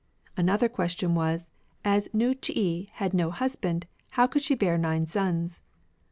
" An other question was, " As Nii ch'i had no husband, how could she bear nine sons